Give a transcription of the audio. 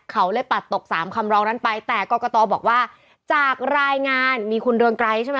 เขาเลยปัดตกสามคำร้องนั้นไปแต่กรกตบอกว่าจากรายงานมีคุณเรืองไกรใช่ไหม